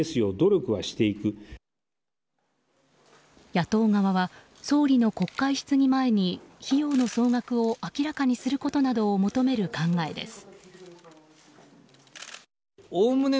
野党側は総理の国会質疑前に費用の総額を明らかにすることを求める考えです。